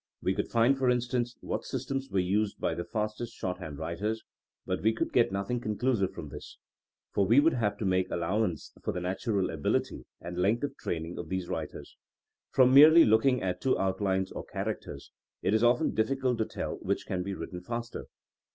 We could find, for instance, what systems were used by the fastest shorthand writers; but we could get nothing conclusive from this, for we would have to make allowance for the natural ability and length of training of these writers. From merely looking at two outlines or characters, it is often diflSicult to tell which can be written faster.